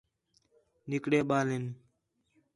نِکڑے ٻال ہین